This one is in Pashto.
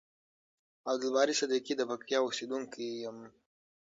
عبدالباری صدیقی د پکتیکا اوسیدونکی یم.